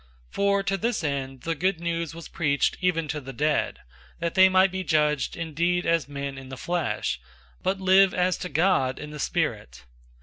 004:006 For to this end the Good News was preached even to the dead, that they might be judged indeed as men in the flesh, but live as to God in the spirit.